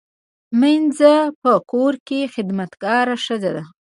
مینځه په کور کې خدمتګاره ښځه ده